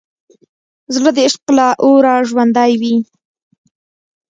زړه د عشق له اوره ژوندی وي.